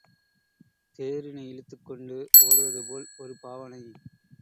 தேரினை இழுத்துக் கொண்டு ஓடுவது போல் ஒரு பாவனை.